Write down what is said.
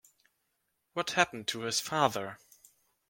What happened to his father?